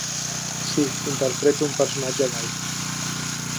Sí, interpreto un personatge gai.